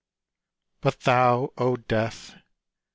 But thou, O Death!